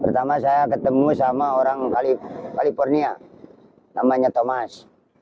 pertama saya ketemu sama orang california namanya thomas